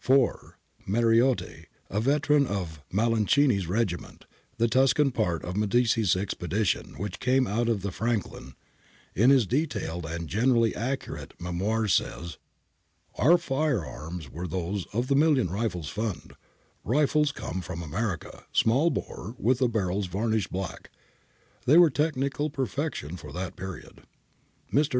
4. Mariotti, a veteran of Malenchini's regiment, the Tuscan part of Medici's expedition which came out in the Frajiklm, in his detailed and generally accurate memoirs, says :' Our fire arms {fucili) were those of the Million Rifles Fund, rifles {rigatt) come from America, small bore, with the barrels varnished black ; they were technical perfection for that period ' {^Mariotti, 420). [Mr.